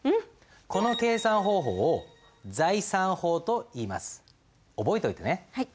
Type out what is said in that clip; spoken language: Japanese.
この計算方法を覚えておいてね。